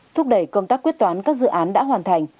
thúc đẩy công tác quyết toán các dự án đã hoàn thành